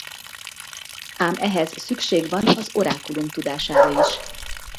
Ám ehhez szükség van az Orákulum tudására is.